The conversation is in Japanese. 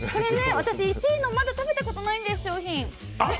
私、１位の商品まだ食べたことないんです。